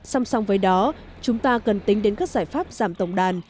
xong xong với đó chúng ta cần tính đến các giải pháp giảm tổng đàn